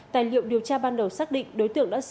tài liệu điều tra ban đầu xác định